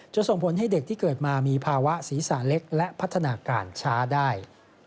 ส่งผลให้เด็กที่เกิดมามีภาวะศีรษะเล็กและพัฒนาการช้าได้